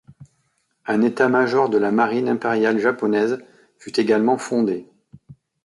Un état-major de la marine impériale japonaise fut également fondé.